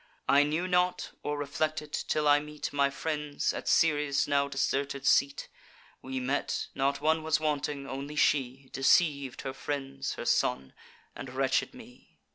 I knew not, or reflected, till I meet My friends, at Ceres' now deserted seat. We met: not one was wanting; only she Deceiv'd her friends, her son, and wretched me.